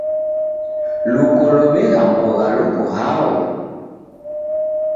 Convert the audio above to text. Luko lobegha mbogha loko hao?